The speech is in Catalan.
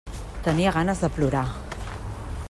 Tenia ganes de plorar.